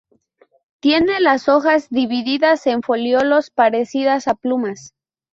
Tiene las hojas divididas en foliolos, parecidas a plumas.